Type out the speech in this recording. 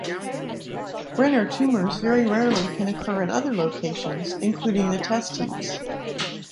Brenner tumours very rarely can occur in other locations, including the testes.